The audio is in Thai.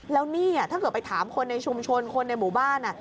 แล้วนี่ถ้าเกิดไปถามคนในชุมชนคนในหมู่บ้าน